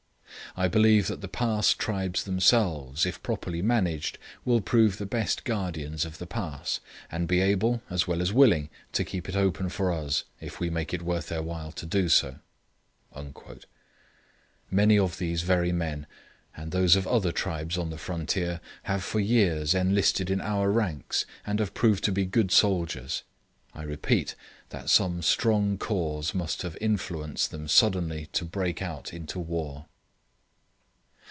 'I believe that the Pass tribes themselves, if properly managed, will prove the best guardians of the Pass, and be able, as well as willing, to keep it open for us, if we make it worth their while to do so....' Many of these very men, and those of other tribes on the frontier, have for years enlisted in our ranks, and have proved to be good soldiers. I repeat that some strong cause must have influenced them suddenly to break out into war.